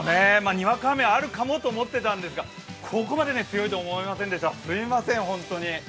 にわか雨はあるかもと思っていたんですが、ここまで強いと思いませんでした、すみません、ホントに。